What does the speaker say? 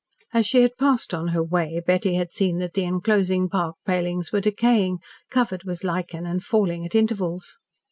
As she had passed on her way, Betty had seen that the enclosing park palings were decaying, covered with lichen and falling at intervals.